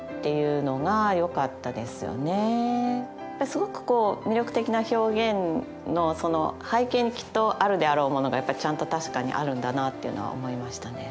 すごくこう魅力的な表現の背景にきっとあるであろうものがちゃんと確かにあるんだなっていうのは思いましたね。